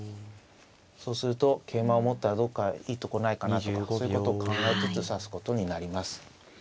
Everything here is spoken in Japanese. そうすると桂馬を持ったらどっかいいとこないかなとかそういうことを考えつつ指すことになります。